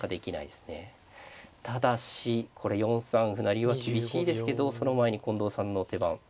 ただしこれ４三歩成は厳しいですけどその前に近藤さんの手番。